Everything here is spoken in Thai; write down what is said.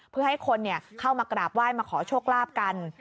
เพื่อให้คนเข้ามากราบไหว้มาขอโชคลาภกัน